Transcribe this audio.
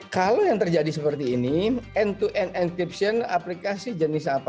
kalau yang terjadi seperti ini end to end entiption aplikasi jenis apa